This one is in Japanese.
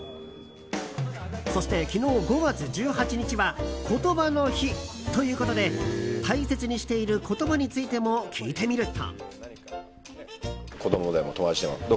そして昨日、５月１８日はことばの日。ということで、大切にしている言葉についても聞いてみると。